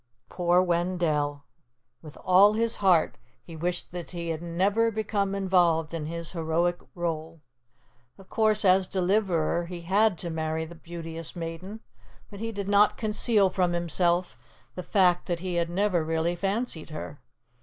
Poor Wendell! With all his heart he wished that he had never become involved in his heroic role. Of course, as Deliverer, he had to marry the Beauteous Maiden, but he did not conceal from himself the fact that he had never really fancied her.